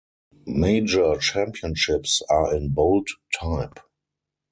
Major championships are in bold type.